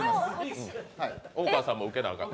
大川さんも受けなあかん。